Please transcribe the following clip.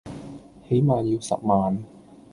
起碼要十萬